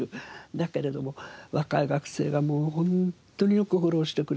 だけれども若い学生がもうホントによくフォローしてくれて。